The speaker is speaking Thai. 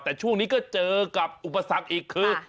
แต่ช่วงนี้ก็เจอกับอุปสรรคอีกคือ